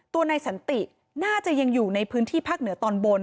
นายสันติน่าจะยังอยู่ในพื้นที่ภาคเหนือตอนบน